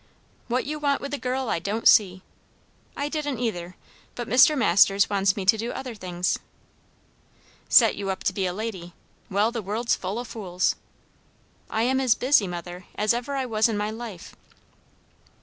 "What you want with a girl, I don't see." "I didn't either. But Mr. Masters wants me to do other things." "Set you up to be a lady! Well, the world's full o' fools." "I am as busy, mother, as ever I was in my life."